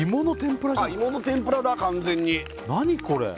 芋の天ぷらだ完全に何これ？